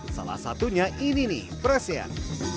salah satunya ini nih presian